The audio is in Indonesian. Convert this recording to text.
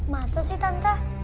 masa sih tante